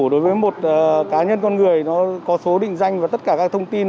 đối với một cá nhân con người nó có số định danh và tất cả các thông tin